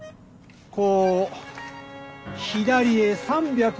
こう「左」へ３６０度！